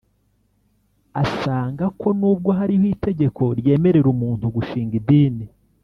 Asanga ko n’ubwo hariho itegeko ryemerera umuntu gushinga idini